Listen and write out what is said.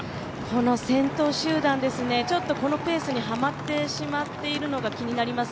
この先頭集団ですね、このペースにはまってしまっているのが気になります。